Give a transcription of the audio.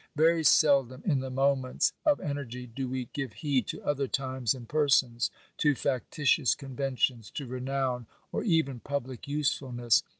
Very seldom in the moments of energy do we give heed to other times and persons, to factitious conventions, to renown, or even public usefulness.